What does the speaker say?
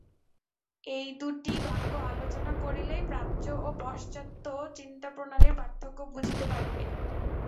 এই দুইটি বাক্য আলোচনা করিলেই প্রাচ্য ও পাশ্চাত্য চিন্তাপ্রণালীর পার্থক্য বুঝিতে পারিবে।